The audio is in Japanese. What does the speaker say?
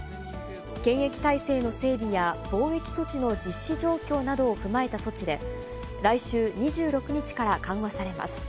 検疫体制の整備や、防疫措置の実施状況などを踏まえた措置で、来週２６日から緩和されます。